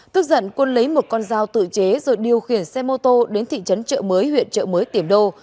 tức giận quân lấy một con dao tự chế rồi điều khiển xe mô tô đến thị trấn trợ mới huyện trợ mới tìm đô